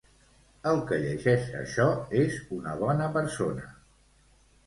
El que llegeix això és una bona persona.